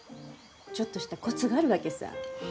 ちょっとしたコツがあるわけさぁ。